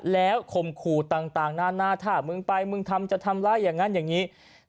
แล้วข่มขู่ต่างหน้าถ้ามึงไปมึงทำจะทำร้ายอย่างนั้นอย่างนี้